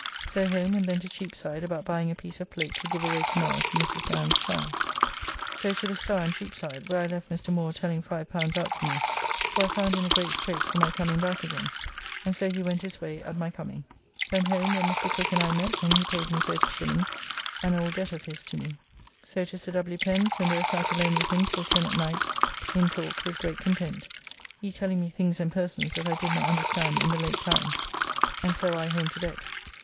So home, and then to Cheapside about buying a piece of plate to give away to morrow to Mrs. Browne's child. So to the Star in Cheapside, where I left Mr. Moore telling L5 out for me, who I found in a great strait for my coming back again, and so he went his way at my coming. Then home, where Mr. Cook I met and he paid me 30s., an old debt of his to me. So to Sir W. Pen's, and there sat alone with him till ten at night in talk with great content, he telling me things and persons that I did not understand in the late times, and so I home to bed.